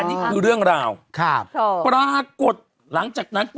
นี่คือเรื่องราวครับปรากฏหลังจากนั้น